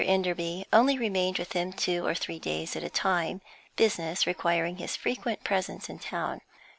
Enderby only remained with them two or three days at a time, business requiring his frequent presence in town.